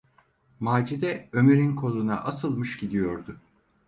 Macide, Ömer’in koluna asılmış gidiyordu.